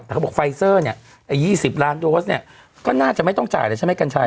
แต่เขาบอกไฟเซอร์เนี่ยไอ้๒๐ล้านโดสเนี่ยก็น่าจะไม่ต้องจ่ายเลยใช่ไหมกัญชัย